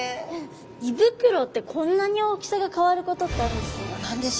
胃袋ってこんなに大きさが変わることってあるんですね